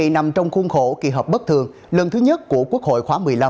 nằm trong khuôn khổ kỳ họp bất thường lần thứ nhất của quốc hội khóa một mươi năm